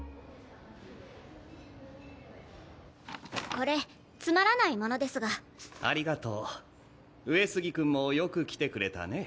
これつまらないものですがありがとう上杉君もよく来てくれたね